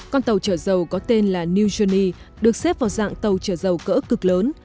con tàu chở dầu có tên là new journey được xếp vào dạng tàu chở dầu cỡ cực lớn